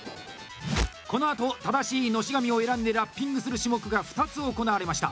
このあと正しい熨斗紙を選んでラッピングする種目が２つ行われました。